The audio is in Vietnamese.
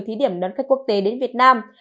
thí điểm đón khách quốc tế đến việt nam